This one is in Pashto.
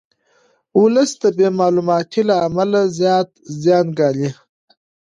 ولس د بې معلوماتۍ له امله زیات زیان ګالي.